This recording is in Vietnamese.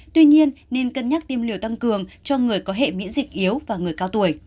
tuy nhiên nên cân nhắc tiêm liều tăng cường cho người có hệ miễn dịch yếu và người cao tuổi